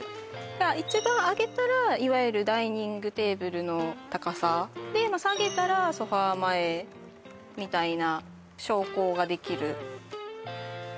一番上げたらいわゆるダイニングテーブルの高さ下げたらソファ前みたいな